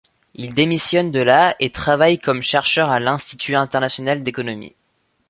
Il démissionne de la et travaille comme chercheur à l'Institut international d'économie.